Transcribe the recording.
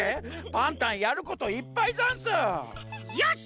パンタンやることいっぱいざんす！よし！